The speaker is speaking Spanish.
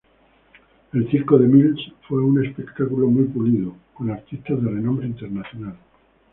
El circo de Mills fue un espectáculo muy pulido con artistas de renombre internacional.